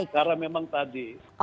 karena memang tadi